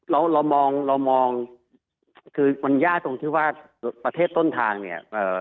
เรามองมันยากตรงที่ว่าประเทศต้นทางเนี่ย